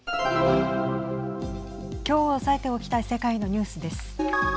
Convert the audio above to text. きょう押さえておきたい世界のニュースです。